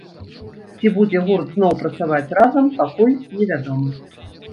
Ці будзе гурт зноў працаваць разам, пакуль не вядома.